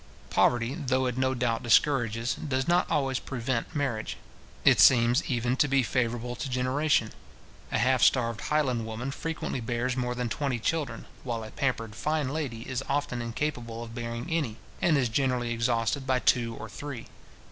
Poverty, though it no doubt discourages, does not always prevent, marriage. It seems even to be favourable to generation. A half starved Highland woman frequently bears more than twenty children, while a pampered fine lady is often incapable of bearing any, and is generally exhausted by two or three.